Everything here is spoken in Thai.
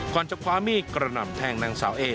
ก่อนจะความมีกระหน่ำแทงนางสาวเอ